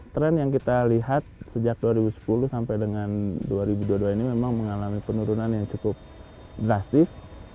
tren yang kita lihat sejak dua ribu sepuluh sampai dengan dua ribu dua puluh dua ini memang mengalami penurunan yang cukup drastis